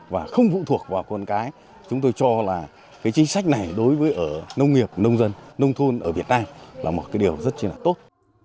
và không phụ thuộc vào con cái chúng tôi cho là chính sách này đối với nông nghiệp nông dân nông thôn ở việt nam là một điều rất tốt